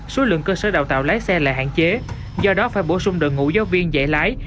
số lượng cơ sở đào tạo lái xe lại hạn chế do đó phải bổ sung đội ngũ giáo viên dạy lái